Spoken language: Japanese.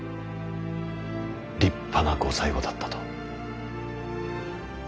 立派なご最期だったと。